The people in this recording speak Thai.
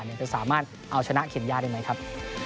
จะสามารถเอาชนะเคนย่าได้ไหมครับ